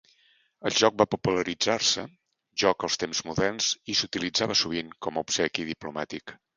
El joc va popularitzar-se joc als temps moderns i s'utilitzava sovint com obsequi diplomàtic.